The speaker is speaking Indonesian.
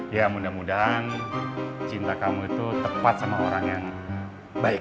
ya mudah mudahan cinta kamu itu tepat sama orang yang baik